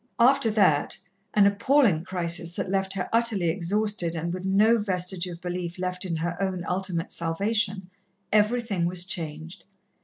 After that an appalling crisis that left her utterly exhausted and with no vestige of belief left in her own ultimate salvation everything was changed.